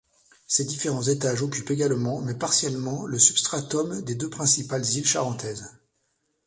Ces différents étages occupent également mais partiellement le substratum des deux principales îles charentaises.